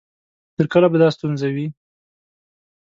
تر کله به دا ستونزه وي؟